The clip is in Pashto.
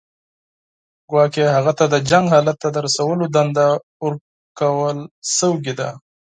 ګواکې هغه ته د جنګ حالت ته رسولو دنده ورکړل شوې وه.